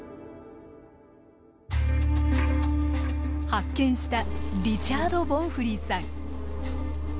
発見したリチャード・ボンフリーさん。